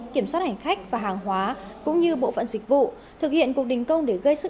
kiểm soát hành khách và hàng hóa cũng như bộ phận dịch vụ